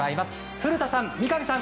古田さん、三上さん